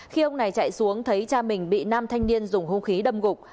khi ông này chạy xuống thấy cha mình bị nam thanh niên dùng hung khí đâm gục